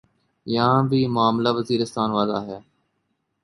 یہاں بھی معاملہ وزیرستان والا ہے۔